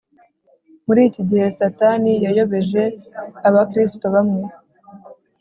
Muri iki gihe, Satani yayobeje Abakristo bamwe